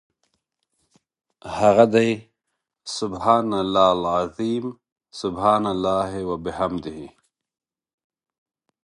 هغه دي سُبْحَانَ اللَّهِ العَظِيمِ، سُبْحَانَ اللَّهِ وَبِحَمْدِهِ .